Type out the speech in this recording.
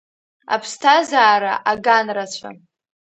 Аԥсҭазаара аган рацәа…